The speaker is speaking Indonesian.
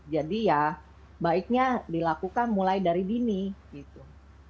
jadi ya baiknya dilakukan mulai dari dini gitu